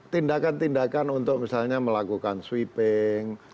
tindakan tindakan untuk misalnya melakukan sweeping